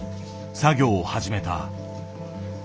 作業を始めた。